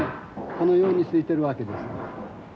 このようにすいてるわけです。